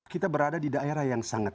kita berada di daerah yang sangat